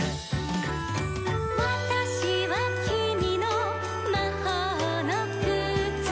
「『わたしはきみのまほうのくつ』」